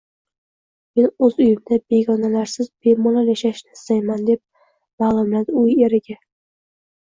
Men o`z uyimda begonalarsiz bemalol yashashni istayman, deb ma`lumladi u eriga